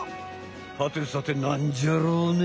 はてさてなんじゃろうね？